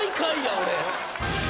俺。